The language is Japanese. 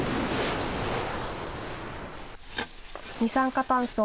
二酸化炭素